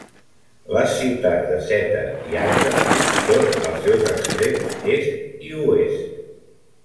Les ciutats de Seta i Agde són als seus extrems est i oest.